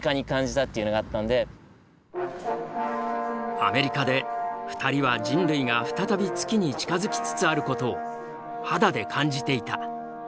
アメリカで２人は人類が再び月に近づきつつあることを肌で感じていた。